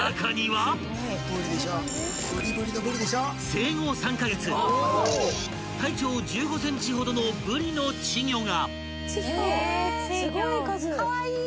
［生後３カ月体長１５ｃｍほどのぶりの稚魚が］